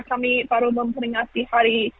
kami baru memperingati hari